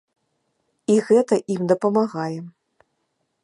І гэта ім дапамагае.